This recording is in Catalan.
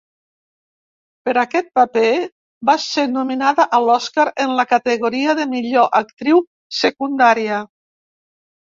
Per aquest paper, va ser nominada a l'Oscar en la categoria de millor actriu secundària.